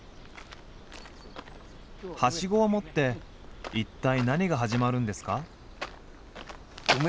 はしごを持って一体何が始まるんですか？